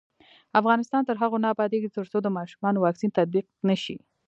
افغانستان تر هغو نه ابادیږي، ترڅو د ماشومانو واکسین تطبیق نشي.